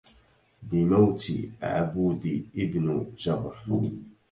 بموت عبود ابن جبر